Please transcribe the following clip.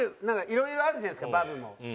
色々あるじゃないですかバブも。